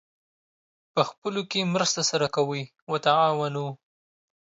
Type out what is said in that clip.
پخپلو کې مرسته سره کوئ : وتعاونوا